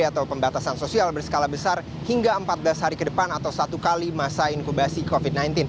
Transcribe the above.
atau pembatasan sosial berskala besar hingga empat belas hari ke depan atau satu kali masa inkubasi covid sembilan belas